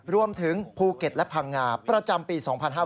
รวมถึงภูเก็ตและพังงาประจำปี๒๕๕๙